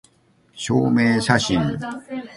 証明写真